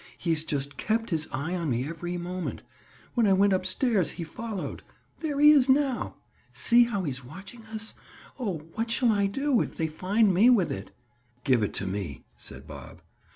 He's just kept his eye on me every moment. When I went up stairs, he followed. There he is now. See how he's watching us. Oh, what shall I do, if they find me with it?" "Give it to me," said Bob.